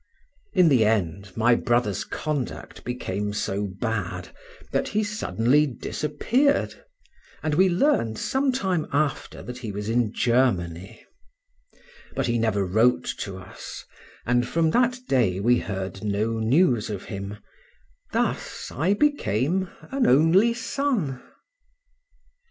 In the end, my brother's conduct became so bad that he suddenly disappeared, and we learned some time after that he was in Germany, but he never wrote to us, and from that day we heard no news of him: thus I became an only son.